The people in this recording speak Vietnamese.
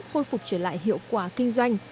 khôi phục trở lại hiệu quả kinh doanh